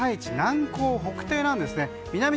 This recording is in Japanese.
気圧配置、南高北低なんですね。